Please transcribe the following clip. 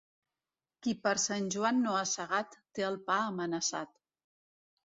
Qui per Sant Joan no ha segat, té el pa amenaçat.